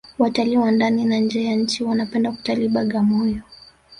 watalii wa ndani na nje ya nchi wanapenda kutalii bagamoyo